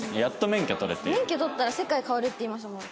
免許取ったら世界変わるっていいますもんね。